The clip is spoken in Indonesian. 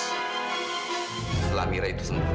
setelah amira itu sembuh